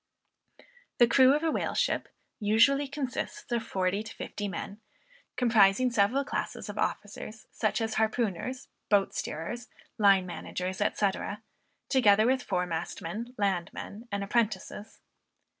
The crew of a whale ship usually consists of forty to fifty men, comprising several classes of officers, such as harpooners, boat steerers, line managers, &c. together with fore mastmen, landmen and apprentices.